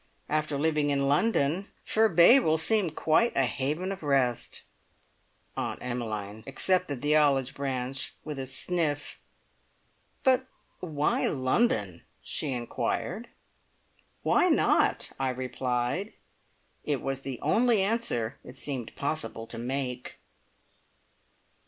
After living in London, Ferbay will seem quite a haven of rest." Aunt Emmeline accepted the olive branch with a sniff. "But why London?" she inquired. "Why not?" I replied. It was the only answer it seemed possible to make!